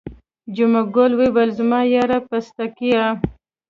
جمعه ګل وویل زما یاره پستکیه.